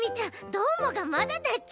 どーもがまだだち。